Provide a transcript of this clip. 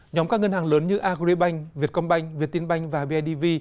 nhóm các ngân hàng lớn như agribank vietcombank viettinbank và bidv